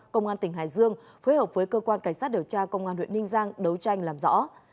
công an tỉnh hải dương phối hợp với cơ quan cảnh sát điều tra công an huyện ninh giang đấu tranh làm rõ